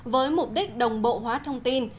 với mục đích đồng bộ hóa thông tin